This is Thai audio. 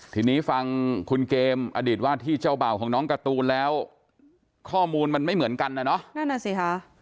ทีนี้ฟังคุณเกมอดีตว่าที่เจ้าบ่าวของน้องการ์ตูนแล้วข้อมูลมันไม่เหมือนกันนะเนาะนั่นน่ะสิค่ะ